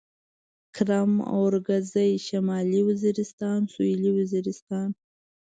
کرم اورکزي شمالي وزيرستان سوېلي وزيرستان